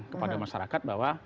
kepada masyarakat bahwa